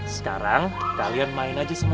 sekarang kalian main aja sama temennya